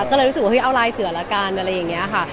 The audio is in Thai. ก็เลยรู้สึกว่าเฮ้ยเอาลายเสือละกันอะไรอย่างนี้ค่ะ